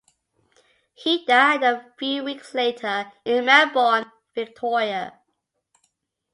He died a few weeks later, in Melbourne, Victoria.